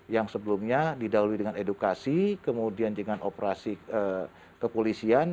yang sebelumnya didahului dengan edukasi kemudian dengan operasi kepolisian